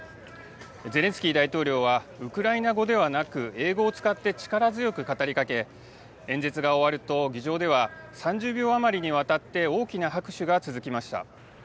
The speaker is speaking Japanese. ゼレンスキー大統領は、ウクライナ語ではなく英語を使って力強く語りかけ、演説が終わると、議場では３０秒余りにわたって大きな拍手が続きました。